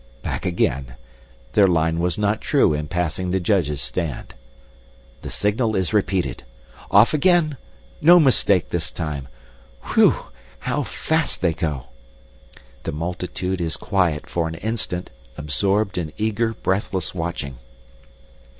Back again. Their line was not true in passing the judges' stand. The signal is repeated. Off again. No mistake this time. Whew! How fast they go! The multitude is quiet for an instant, absorbed in eager, breathless watching.